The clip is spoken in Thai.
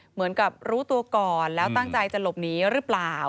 เหมือนกับรู้ตัวก่อนแล้วตั้งใจจะหลบหนีหรือเปล่า